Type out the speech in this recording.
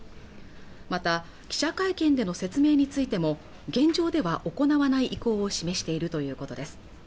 また記者会見での説明についても現場では行わない意向を示しているということです